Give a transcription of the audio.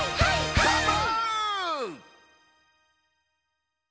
どーも！